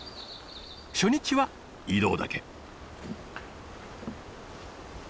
初日は移動だけ。